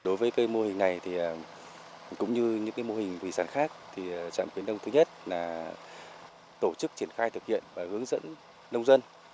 đối với cây mô hình này cũng như những mô hình thủy sản khác thì trạm khuyến đông thứ nhất là tổ chức triển khai thực hiện và hướng dẫn nông dân